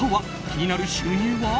気になる収入は？